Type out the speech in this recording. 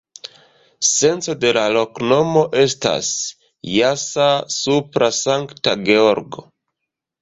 Senco de la loknomo estas: jasa-supra-Sankta-Georgo.